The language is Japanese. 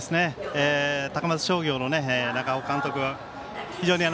高松商業の長尾監督。